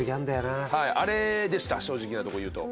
あれでした正直なとこ言うと。